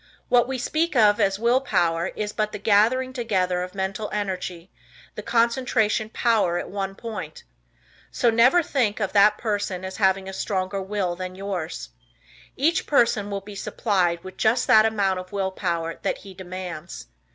What we speak of as will power is but the gathering together of mental energy, the concentration power at one point. So never think of that person as having a stronger will than yours. Each person will be supplied with just that amount of will power that he demands.